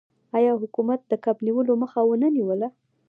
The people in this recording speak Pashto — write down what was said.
آیا حکومت د کب نیولو مخه ونه نیوله؟